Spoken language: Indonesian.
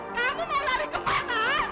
kamu mau lari kemana